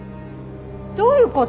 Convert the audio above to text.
どういう事？